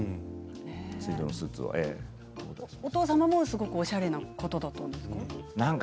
お父様も、すごくおしゃれな方だったんですか？